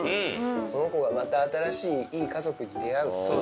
この子がまた新しいいい家族に出会う。